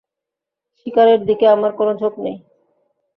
শিকারের দিকে আমার কোনো ঝোঁক নেই।